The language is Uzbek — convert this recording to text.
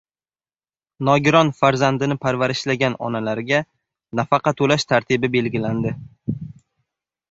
Nogiron farzandini parvarishlagan onalarga nafaqa to‘lash tartibi belgilandi